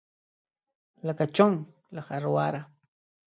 لکه: چونګ له خرواره.